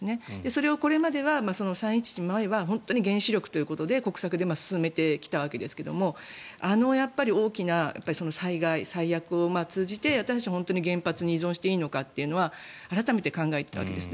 それをこれまでは３・１１の前は原子力ということで国策で進めてきたわけですがあの大きな災害、災厄を通じて私たちも原発に依存していいのかというのは改めて考えたわけです。